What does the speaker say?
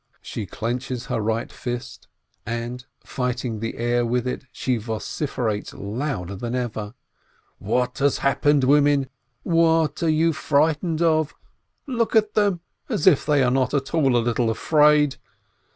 She clenches her right fist, and, fighting the air with it, she vociferates louder than ever: "What has happened, women? What are you fright ened of? Look at them, if they are not all a little afraid!